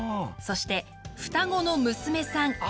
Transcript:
そして双子の娘さん